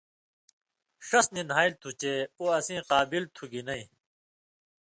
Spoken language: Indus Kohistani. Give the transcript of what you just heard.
ݜس نی نھالیۡ تُھو چےۡ اُو اسیں قابل تُھو گی نَیں۔